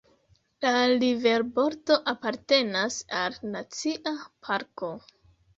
La riverbordo apartenas al Nacia parko.